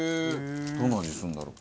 どんな味するんだろう？